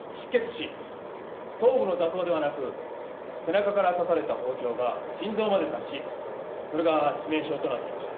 頭部の挫創ではなく背中から刺された包丁が心臓まで達しそれが致命傷となっていました。